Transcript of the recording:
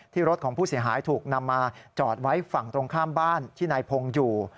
รถของผู้เสียหายถูกนำมาจอดไว้ฝั่งตรงข้ามบ้านที่นายพงศ์อยู่